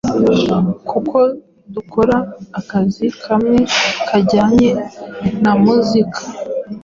kuko dukora akazi kamwe kajyanye na muzika